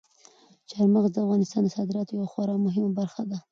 چار مغز د افغانستان د صادراتو یوه خورا مهمه برخه ده.